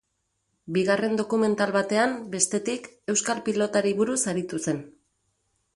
Bigarren dokumental batean, bestetik, euskal pilotari buruz aritu zen.